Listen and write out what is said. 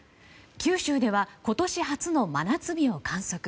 九州では今年初の真夏日を観測。